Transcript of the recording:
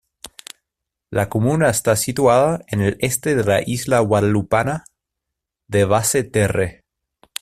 La comuna está situada en el este de la isla guadalupana de Basse-Terre.